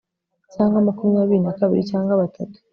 cyangwa makumyabiri na kabiri cyangwa batatu